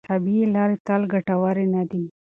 طبیعي لارې تل ګټورې نه دي.